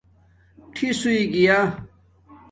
ٹِھس ہݸئِئ گیا